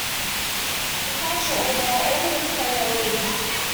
Fortunately, they were able to extend their lease.